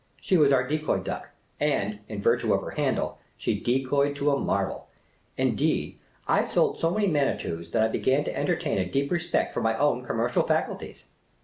She was our decoy duck ; and, in virtue of her handle, she decoyed to a marvel. In deed, I sold so many Manitous that I began to entertain a deep respect for my own commercial faculties.